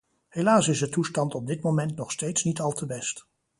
Helaas is de toestand op dit moment nog steeds niet al te best.